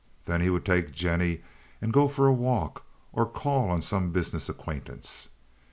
Then he would take Jennie and go for a walk or to call on some business acquaintance.